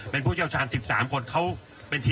เป็นผู้ช่วยชาญ๑๓คน